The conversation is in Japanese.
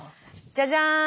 じゃじゃーん！